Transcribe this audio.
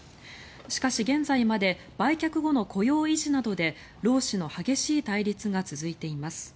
しかし、現在まで売却後の雇用維持などで労使の激しい対立が続いています。